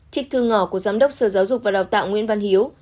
trích thư ngỏ của giám đốc sở giáo dục và đào tạo nguyễn văn hiếu